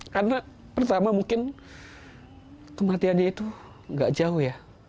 karena pertama mungkin kematiannya itu tidak jauh ya